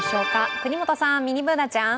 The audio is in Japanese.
國本さん、ミニＢｏｏｎａちゃん。